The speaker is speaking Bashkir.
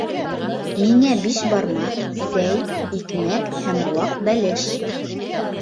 Миңә бишбармаҡ, сәй, икмәк һәм ваҡ бәлеш